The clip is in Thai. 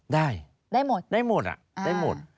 ได้ได้หมดอ่ะได้หมด